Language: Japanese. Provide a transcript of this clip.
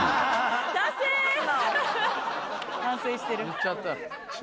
言っちゃった。